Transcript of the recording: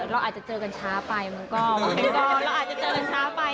เราอาจจะเจอกันช้าไปมันก็เราอาจจะเจอกันช้าไป